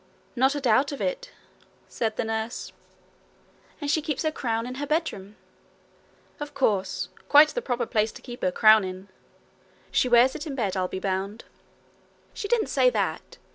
'Not a doubt of it,' said the nurse. 'And she keeps her crown in her bedroom.' 'Of course quite the proper place to keep her crown in. She wears it in bed, I'll be bound.' 'She didn't say that.